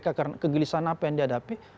karena kegelisahan apa yang dihadapi